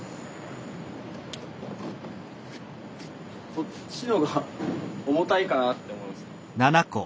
こっちのが重たいかなって思います。